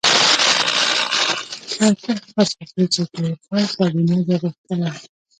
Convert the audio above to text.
ښه ته هغه څوک وې چې د فایل کابینه دې غوښتله